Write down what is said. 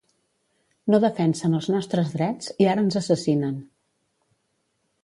No defensen els nostres drets, i ara ens assassinen.